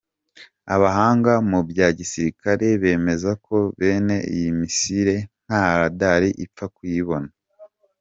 Abahanga mu bya gisirikare bemeza ko bene iyi misile nta Radar ipfa kuyibona.